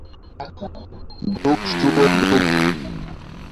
ঢুক শুয়োর, ঢুক।